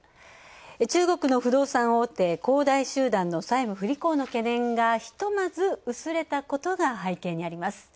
中国の不動産大手・恒大集団の債務不履行の懸念がひとまず薄れたことが背景にあります。